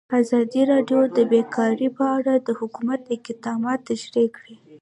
ازادي راډیو د بیکاري په اړه د حکومت اقدامات تشریح کړي.